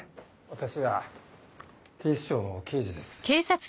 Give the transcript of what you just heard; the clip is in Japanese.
私は警視庁の刑事です。